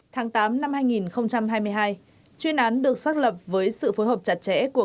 tháng tám năm hai nghìn hai mươi hai chuyên án được xác lập với sự phối hợp chặt chẽ của